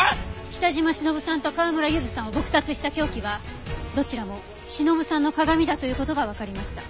北島しのぶさんと川村ゆずさんを撲殺した凶器はどちらもしのぶさんの鏡だという事がわかりました。